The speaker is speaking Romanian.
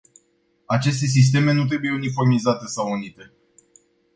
Aceste sisteme nu trebuie uniformizate sau unite.